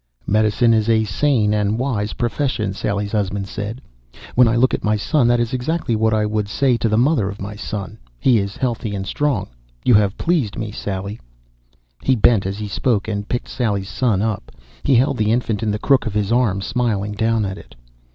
'" "Medicine is a sane and wise profession," Sally's husband said. "When I look at my son that is exactly what I would say to the mother of my son. He is healthy and strong. You have pleased me, Sally." He bent as he spoke and picked Sally's son up. He held the infant in the crook of his arm, smiling down at it.